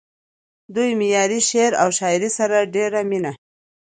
دوي معياري شعر و شاعرۍ سره ډېره مينه